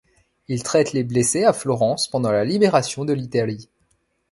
Il traite les blessés à Florence pendant la libération de l’Italie.